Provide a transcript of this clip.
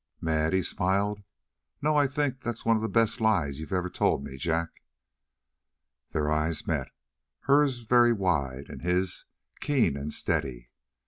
"Mad?" He smiled. "No, I think that's one of the best lies you ever told me, Jack." Their eyes met, hers very wide, and his keen and steady.